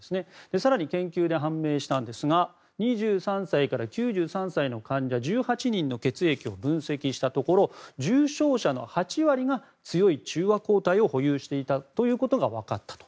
更に、研究で判明したんですが２３歳から９３歳の患者１８人の血液を分析したところ重症者の８割が、強い中和抗体を保有していたということが分かったと。